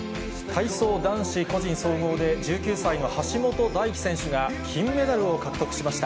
体操男子個人総合で、１９歳の橋本大輝選手が金メダルを獲得しました。